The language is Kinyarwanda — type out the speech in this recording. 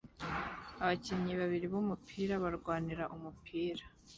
Abakinnyi babiri b'umupira barwanira umupira